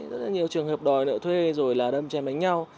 rất là nhiều trường hợp đòi nợ thuê rồi là đâm chèm đánh nhau